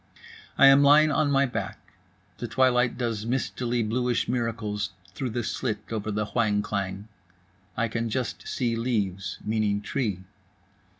I am lying on my back, the twilight does mistily bluish miracles through the slit over the whang klang. I can just see leaves, meaning tree.